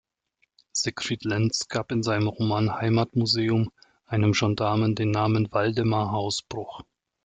Siegfried Lenz gab in seinem Roman Heimatmuseum einem Gendarmen den Namen "Waldemar Hausbruch".